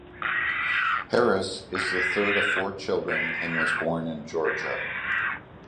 Harris is the third of four children and was born in Georgia.